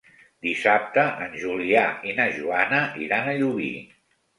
Dissabte en Julià i na Joana iran a Llubí.